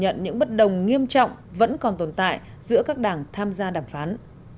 nhận những bất đồng nghiêm trọng vẫn còn tồn tại giữa các đảng tham gia đàm phán